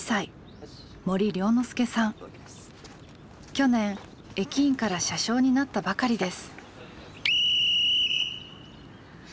去年駅員から車掌になったばかりです。